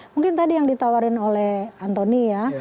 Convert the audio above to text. mungkin tadi yang ditawarin oleh antoni ya